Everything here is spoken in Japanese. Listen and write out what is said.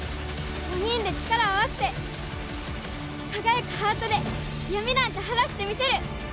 ４人で力を合わせて輝くハートで闇なんて晴らしてみせる！